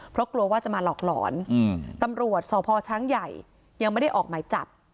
เพราะกลัวว่าจะมาหลอกหลอนตำรวจสพช้างใหญ่ยังไม่ได้ออกหมายจับ